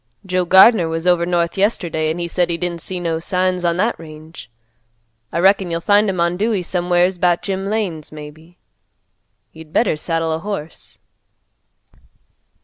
Joe Gardner was over north yesterday, an' he said he didn't see no signs on that range. I reckon you'll find 'em on Dewey somewheres about Jim Lane's, maybe. You'd better saddle a horse."